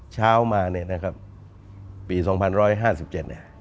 เช้ามาเนี่ยนะครับปี๒๕๕๗เนี่ย